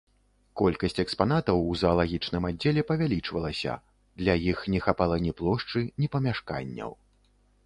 Колькасць экспанатаў у заалагічным аддзеле павялічвалася, для іх не хапала ні плошчы, ні памяшканняў.